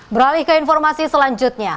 beralih ke informasi selanjutnya